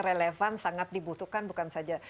relevan sangat dibutuhkan bukan saja